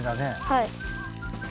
はい。